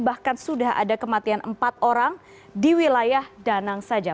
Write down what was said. bahkan sudah ada kematian empat orang di wilayah danang saja